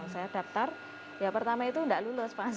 saya daftar ya pertama itu tidak lulus mas